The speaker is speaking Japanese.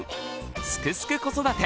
「すくすく子育て」